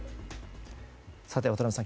渡辺さん